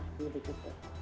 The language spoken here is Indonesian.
jadi kita berpikir pikir